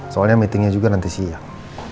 soalnya meetingnya juga nanti siang